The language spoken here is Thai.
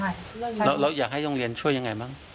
แล้วเราอยากให้โรงเรียนช่วยยังไงบ้าง